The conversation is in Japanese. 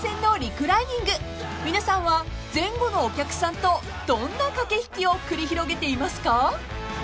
［皆さんは前後のお客さんとどんな駆け引きを繰り広げていますか？］